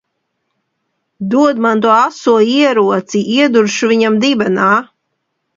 Dod man to aso ieroci, ieduršu viņam dibenā!